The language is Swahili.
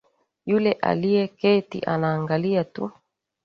Yule aliyeketi anaangalia tu.